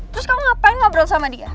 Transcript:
terus kamu ngapain ngobrol sama dika